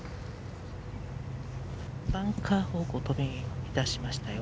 バンカー方向に飛び出しましたよ。